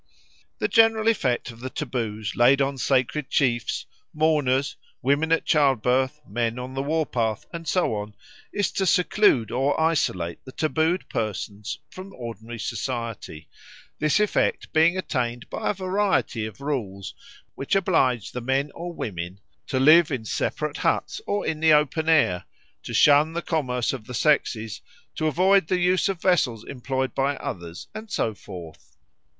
The general effect of the taboos laid on sacred chiefs, mourners, women at childbirth, men on the war path, and so on, is to seclude or isolate the tabooed persons from ordinary society, this effect being attained by a variety of rules, which oblige the men or women to live in separate huts or in the open air, to shun the commerce of the sexes, to avoid the use of vessels employed by others, and so forth.